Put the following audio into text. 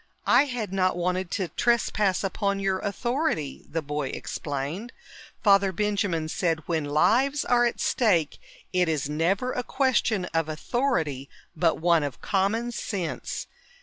"I had not wanted to trespass upon your authority," the boy explained. Father Benjamin said, "When lives are at stake, it is never a question of authority but one of common sense.